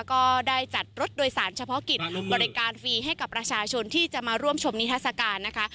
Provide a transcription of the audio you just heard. ก็ได้จัดรถโดยสารเฉพาะกิจบริการฟรีให้กับประชาชนที่จะมาร่วมชมนิทัศกาลนะคะ